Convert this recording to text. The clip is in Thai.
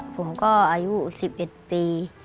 ผมก็อายุ๑๑ปี